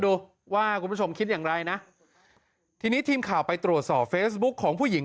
ถ้ามันไม่ด่าแม่คุณ